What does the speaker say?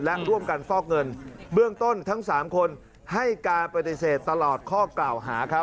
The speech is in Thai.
และร่วมกันฟอกเงินเบื้องต้นทั้ง๓คนให้การปฏิเสธตลอดข้อกล่าวหาครับ